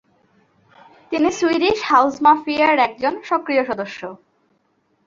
তিনি Swedish House Mafia এর একজন সক্রিয় সদস্য।